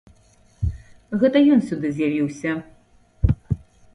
Гэта ён сюды з'явіўся!